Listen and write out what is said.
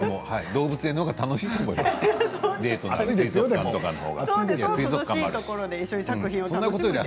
動物園のほうが楽しいと思います、デートはね。